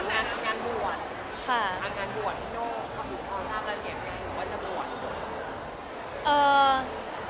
มีคนถามงานที่งานบวชทางงานบวชที่โน้มคำถามรายละเอียดคือว่าจะบวชหรือบวช